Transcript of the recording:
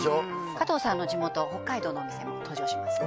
加藤さんの地元北海道のお店も登場しますよ